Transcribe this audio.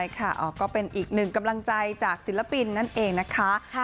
ก็เป็นอีกหนึ่งกำลังใจจากศิลปินนั่นเองนะคะ